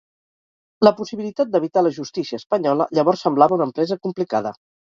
La possibilitat d’evitar la justícia espanyola llavors semblava una empresa complicada.